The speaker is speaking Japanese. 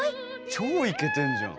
超イケてんじゃん。